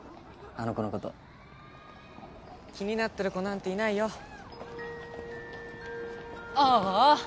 あの子のこと気になってる子なんていないよああ